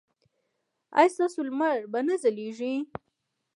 ایا ستاسو لمر به نه ځلیږي؟